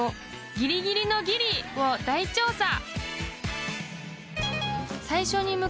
［ギリギリのギリを大調査］